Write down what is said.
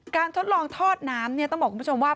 ทดลองทอดน้ำต้องบอกคุณผู้ชมว่า